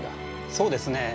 そうですね